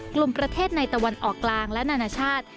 กลุ่มประเทศในตะวันออกกลางและนานาชาติ